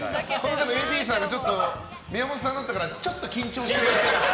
ＡＤさんが宮本さんだったからちょっと緊張してた。